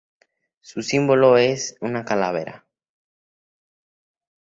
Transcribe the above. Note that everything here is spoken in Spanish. Su símbolo es una calavera.